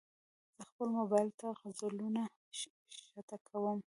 زه خپل موبایل ته غزلونه ښکته کوم.